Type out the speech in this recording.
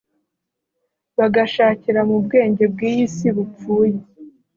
bagashakira mu bwenge bw’iyi si bupfuye